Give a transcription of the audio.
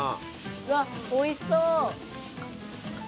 うわっおいしそう！